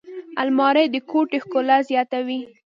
الماري د کوټې ښکلا زیاتوي